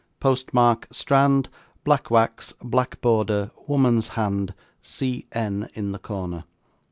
'Post mark, Strand, black wax, black border, woman's hand, C. N. in the corner.